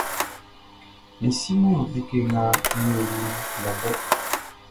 N siman like nga n yoliʼn bɔbɔ.